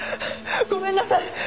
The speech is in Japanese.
ごめんなさい！